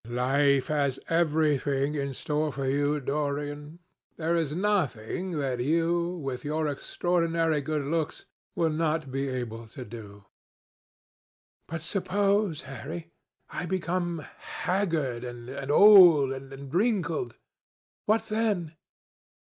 "Life has everything in store for you, Dorian. There is nothing that you, with your extraordinary good looks, will not be able to do." "But suppose, Harry, I became haggard, and old, and wrinkled? What then?"